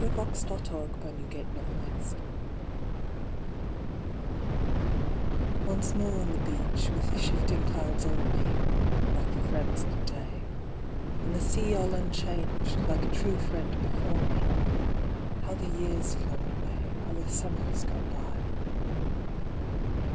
IF ONE SHOULD DIVE DEEP Once more on the beach with the shifting clouds o'er me (Like the friends of a day), And the sea all unchanged, like a true friend before me, How the years flow away, How the summers go by.